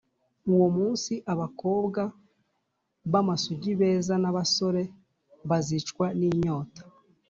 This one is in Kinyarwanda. uwo munsi, abakobwa b’amasugi beza n’abasore bazicwa n’inyota,